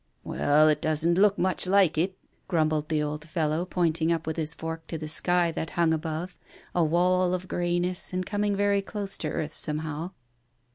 "Well, it doesna' look much like it," grumbled the old fellow, pointing up with his fork to the sky that hung above, a wall of greyness, and coming very close to earth, somehow.